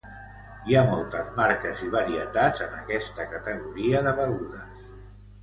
Hi ha moltes marques i varietats en aquesta categoria de begudes.